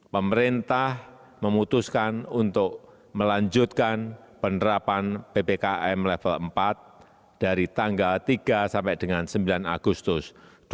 pemerintah memutuskan untuk melanjutkan penerapan ppkm level empat dari tanggal tiga sampai dengan sembilan agustus dua ribu dua puluh